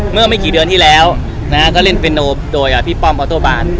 เมื่อไม่กี่เดือนที่แล้วเป็นโลด้วยพี่ป้อมคตุบาน